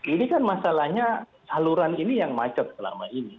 ini kan masalahnya saluran ini yang macet selama ini